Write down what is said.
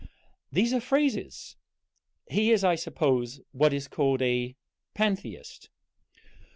"These are phrases. He is, I suppose, what is called a Pantheist."